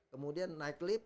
kemudian naik lip